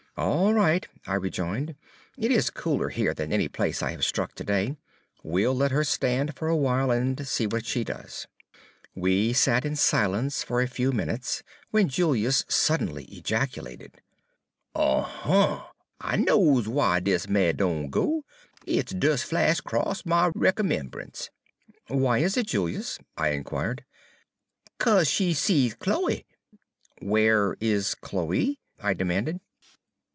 "All right," I rejoined; "it is cooler here than any place I have struck today. We'll let her stand for a while, and see what she does." We had sat in silence for a few minutes, when Julius suddenly ejaculated, "Uh huh! I knows w'y dis mare doan go. It des flash' 'cross my recommemb'ance." "Why is it, Julius?" I inquired. "'Ca'se she sees Chloe." "Where is Chloe?" I demanded.